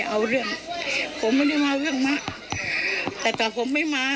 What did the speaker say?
ไม่ได้เอาเรื่องผมไม่ได้มาเรื่องมากแต่ต่อผมไม่มา